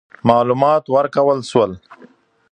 معلومات ورکول سول.